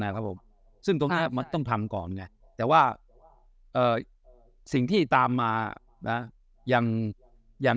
แล้วครับผมซึ่งต้องทำก่อนไงแต่ว่าสิ่งที่ตามมายังยัง